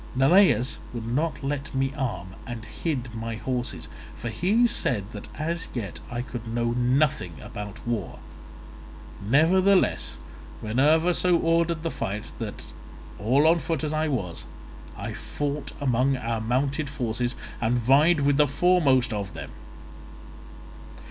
Neleus would not let me arm, and hid my horses, for he said that as yet I could know nothing about war; nevertheless Minerva so ordered the fight that, all on foot as I was, I fought among our mounted forces and vied with the foremost of them.